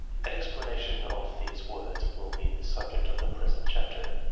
An explanation of these words l be the subject of the present chapter.